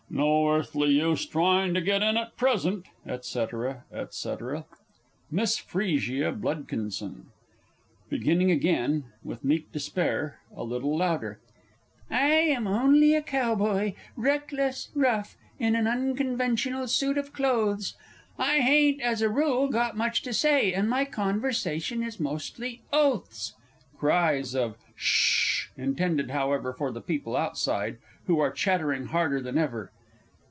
No earthly use trying to get in at present ... &c., &c. MISS FRESIA B. (beginning again, with meek despair, a little louder). I am only a Cowboy; reckless, rough, in an unconventional suit of clothes; I hain't, as a rule, got much to say, and my conversation is mostly oaths. [_Cries of "Ssh!" intended, however, for the people outside, who are chattering harder than ever.